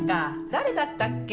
誰だったっけ？